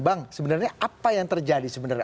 bang sebenarnya apa yang terjadi sebenarnya